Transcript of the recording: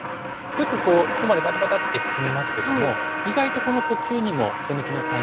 よくこうここまでバタバタって進みますけども意外とこの途中にも手抜きのタイミングはあるんです。